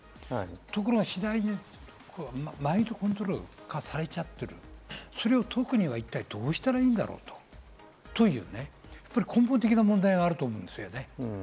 ところが次第にマインドコントロール化されちゃって、それを解くには一体どうしたらいいのかという根本的な問題があると思うんですね。